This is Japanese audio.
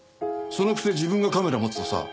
そのくせ自分がカメラ持つとさ